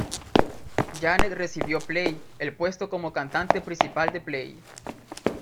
Janet recibió Play el puesto como cantante principal de Play.